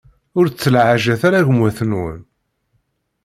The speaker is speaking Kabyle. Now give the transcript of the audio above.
Ur ttlaɛajet ara gma-twen.